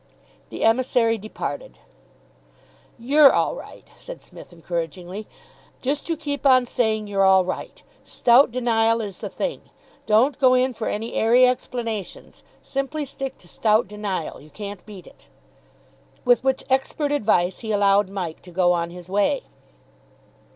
The emissary departed. "You're all right," said Psmith encouragingly. "Just you keep on saying you're all right. Stout denial is the thing. Don't go in for any airy explanations. Simply stick to stout denial. You can't beat it." With which expert advice, he allowed Mike to go on his way.